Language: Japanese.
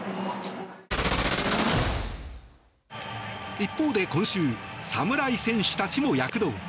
一方で今週侍戦士たちも躍動。